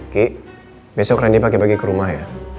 ki besok randy pake pake ke rumah ya